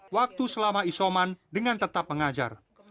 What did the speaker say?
waktu selama isoman dengan tetap mengajar